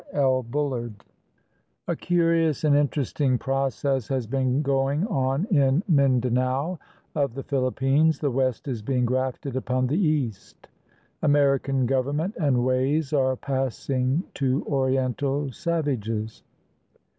L. BULLARD A cxjRious and interesting process has been going on in Mindanao of the PhiHppines ; the West is being grafted upon the East; American government and ways are passing to Oriental savages.